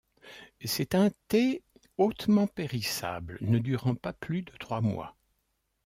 C'est un thé hautement périssable, ne durant pas plus de trois mois.